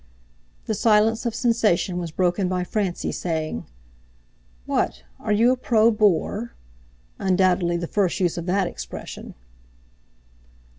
The silence of sensation was broken by Francie saying: "What? Are you a pro Boer?" (undoubtedly the first use of that expression).